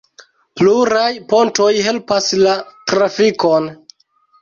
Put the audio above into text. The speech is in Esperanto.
Pluraj pontoj helpas la trafikon.